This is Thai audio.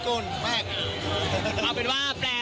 ที่สนชนะสงครามเปิดเพิ่ม